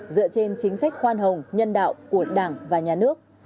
dựa trên chính sách khoan hồng nhân đạo của đảng và nhà nước